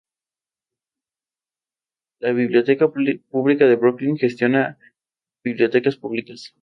La aplicación proporciona modos alternativos exclusivos.